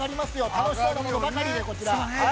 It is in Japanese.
楽しそうなものばかりで、こちら。